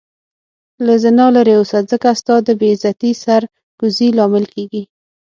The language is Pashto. له زنا لرې اوسه ځکه ستا د بی عزتي سر کوزي لامل کيږې